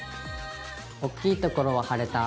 大きいところは貼れた。